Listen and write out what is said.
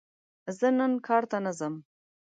زه نن کار ته نه ځم!